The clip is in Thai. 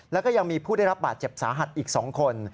แล้วก็ยังมีผู้ได้รับบาดเจ็บสาหัสอีก๒คน